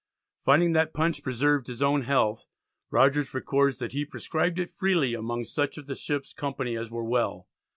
Finding that punch preserved his own health, Rogers records that he "prescribed it freely among such of the ship's company as were well."